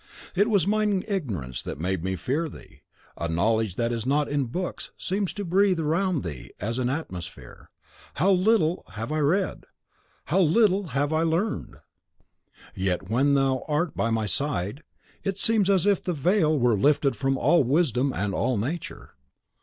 It was mine ignorance that made me fear thee. A knowledge that is not in books seems to breathe around thee as an atmosphere. How little have I read! how little have I learned! Yet when thou art by my side, it seems as if the veil were lifted from all wisdom and all Nature.